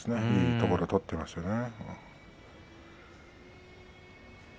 いいところ取っていました。